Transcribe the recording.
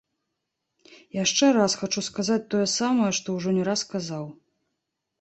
Яшчэ раз хачу сказаць тое самае, што ўжо не раз казаў.